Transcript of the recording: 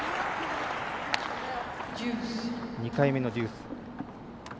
２回目のデュース。